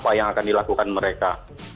apa yang akan dilakukan mereka